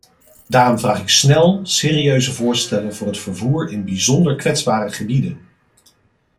Daarom vraag ik snel serieuze voorstellen voor het vervoer in bijzonder kwetsbare gebieden!